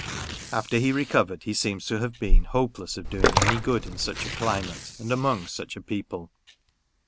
After he recovered, he seems to have been hopeless of doing any good in such a climate, and among such a people.